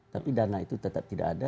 tapi dana itu tetap tidak ada